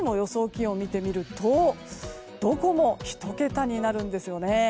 気温を見てみるとどこも１桁になるんですよね。